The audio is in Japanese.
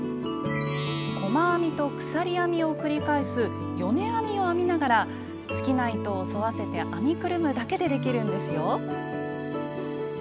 細編みと鎖編みを繰り返す「よね編み」を編みながら好きな糸を沿わせて編みくるむだけでできるんですよ。